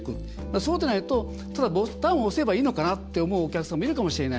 そうでないと、ただボタンを押せばいいのかなと思うお客さんもいるかもしれない。